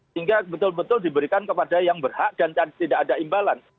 sehingga betul betul diberikan kepada yang berhak dan tidak ada imbalan